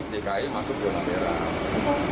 dki masuk zona merah